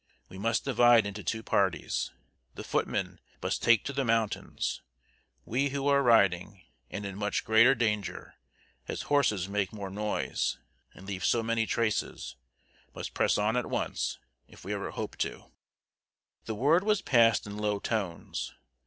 We must divide into two parties. The footmen must take to the mountains; we who are riding, and in much greater danger as horses make more noise, and leave so many traces must press on at once, if we ever hope to." The word was passed in low tones.